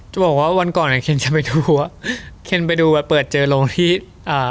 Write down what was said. จะบอกว่าวันก่อนอ่ะเคนจะไปดูอ่ะเคนไปดูไปเปิดเจอโรงที่อ่า